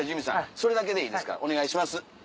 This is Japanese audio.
それだけでいいですからお願いします。